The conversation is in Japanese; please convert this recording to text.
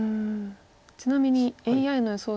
ちなみにＡＩの予想